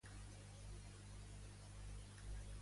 Es va sumar a algun grup?